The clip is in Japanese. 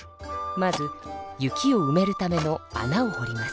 まず雪をうめるためのあなをほります。